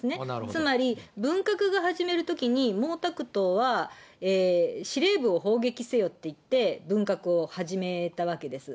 つまり文革が始まるときに毛沢東は司令部を砲撃せよと言って、文革を始めたわけです。